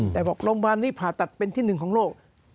แต่บอกโรงพยาบาลนี้ผ่าตัดเป็นที่หนึ่งของโลก